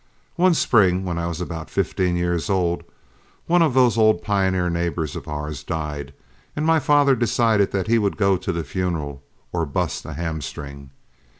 One spring when I was about fifteen years old, one of those old pioneer neighbors of ours died, and my father decided that he would go to the funeral or burst a hame string.